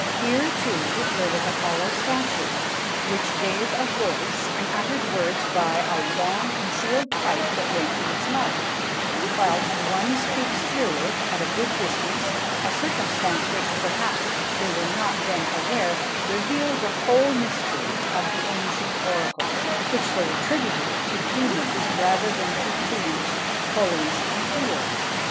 "Here, too, there was a hollow statue, which gave a voice, and uttered words by a long concealed pipe that went to its mouth, whilst one speaks through it at a good distance:" a circumstance which, perhaps, they were not then aware revealed the whole mystery of the ancient oracles, which they attributed to demons rather than to tubes, pulleys, and wheels.